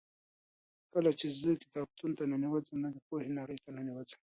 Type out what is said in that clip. کله چې زه کتابتون ته ننوځم نو د پوهې نړۍ ته ننوځم.